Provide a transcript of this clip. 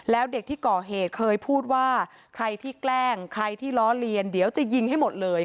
แล้วเด็กที่ก่อเหตุเคยพูดว่าใครที่แกล้งใครที่ล้อเลียนเดี๋ยวจะยิงให้หมดเลย